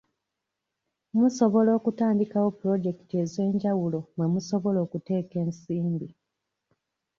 Musobola okutandikawo Pulojekiti ez'enjawulo mwe musobola okuteeka ensimbi.